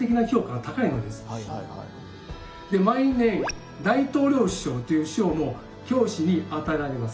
毎年大統領賞という賞も教師に与えられます。